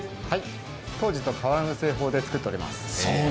はい、当時と変わらぬ製法で作っております。